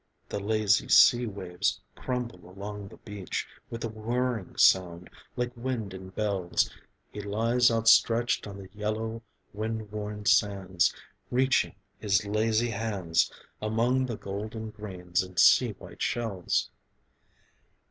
. The lazy sea waves crumble along the beach With a whirring sound like wind in bells, He lies outstretched on the yellow wind worn sands Reaching his lazy hands Among the golden grains and sea white shells